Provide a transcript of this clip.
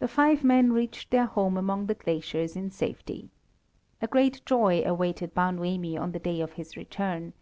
The five men reached their home among the glaciers in safety. A great joy awaited Bar Noemi on the day of his return.